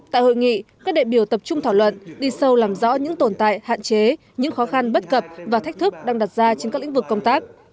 tại hội nghị các đệ biểu tập trung thảo luận đi sâu làm rõ những tồn tại hạn chế những khó khăn bất cập và thách thức đang đặt ra trên các lĩnh vực công tác